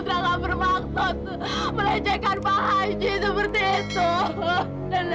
bawa bawa aja jangan jorok dong